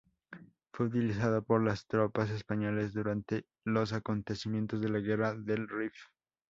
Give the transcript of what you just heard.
Fue utilizado por las tropas españolas durante los acontecimientos de la guerra del Rif.